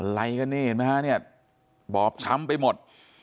อะไรกันนี่เห็นไหมฮะเนี่ยบอบช้ำไปหมด